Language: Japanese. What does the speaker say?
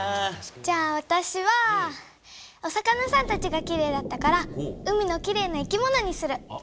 じゃあわたしはお魚さんたちがきれいだったから海のきれいな生き物にする。